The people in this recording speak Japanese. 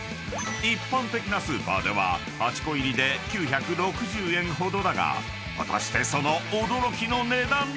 ［一般的なスーパーでは８個入りで９６０円ほどだが果たしてその驚きの値段とは⁉］